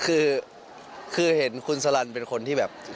คือเห็นคุณสลันเป็นคนที่แบบ